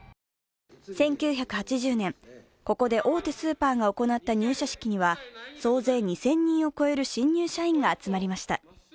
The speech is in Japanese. １９８０年、ここで大手スーパーが行った入社式には総勢２０００人を超える新入社員が集まりました。